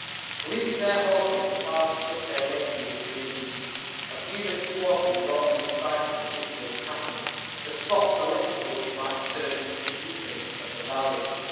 Leading their horses, the party took their way through the trees. A few minutes' walking brought them in sight of the gipsy encampment, the spot selected for which might be termed the Eden of the valley.